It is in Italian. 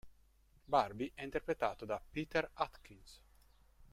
Barbie è interpretato da Peter Atkins.